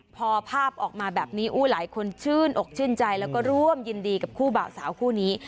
พอภาพออกมาแบบนี้หลายคนชื่นอกชื่นใจแล้วก็ร่วมยินดีกับคู่บ่าวสาวคู่นี้